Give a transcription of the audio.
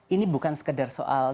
ini bukan sekedar soal